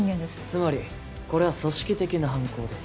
つまりこれは組織的な犯行です